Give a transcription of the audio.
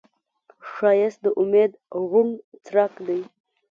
ښایست د امید روڼ څرک دی